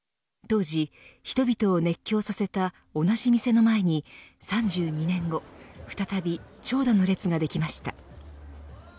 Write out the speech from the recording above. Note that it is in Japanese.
当時人々を熱狂させた同じ店の前に３２年後再び長蛇の列ができました。